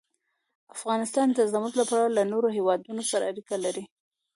افغانستان د زمرد له پلوه له نورو هېوادونو سره اړیکې لري.